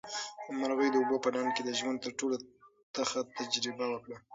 مرغۍ د اوبو په ډنډ کې د ژوند تر ټولو تخه تجربه وکړه.